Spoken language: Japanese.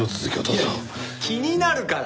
いやいや気になるから。